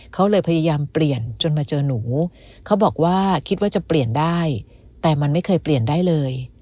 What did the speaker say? เขาเลยพยายามเปลี่ยนจนมาเจอหนูเขาบอกว่าคิดว่าจะเปลี่ยนได้แต่มันไม่เคยเปลี่ยนได้เลย